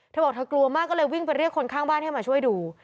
เธอบอกเธอกลัวมากก็เลยวิ่งไปเรียกคนข้างบ้านให้มาช่วยดู